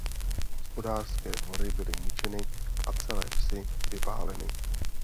Hospodářské dvory byly ničeny a celé vsi vypáleny.